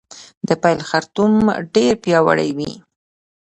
د پیل خرطوم ډیر پیاوړی وي